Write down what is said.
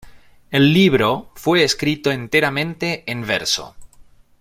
El libro fue escrito enteramente en verso.